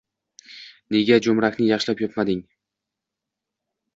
Nega joʻmrakni yaxshilab yopmading.